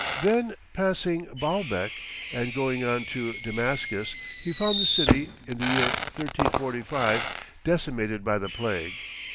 Then passing Baalbec, and going on to Damascus, he found the city (in the year 1345) decimated by the plague.